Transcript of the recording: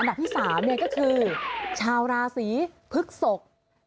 อันดับที่สามเนี้ยก็คือชาวราศีผึกศก